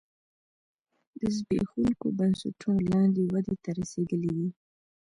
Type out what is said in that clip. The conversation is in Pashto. د زبېښونکو بنسټونو لاندې ودې ته رسېدلی دی